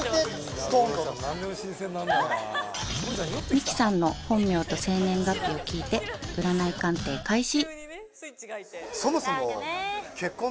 ［みきさんの本名と生年月日を聞いて占い鑑定開始］